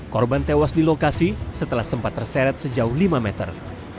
korban tewas di lokasi setelah sempat terseret sejauh lima meter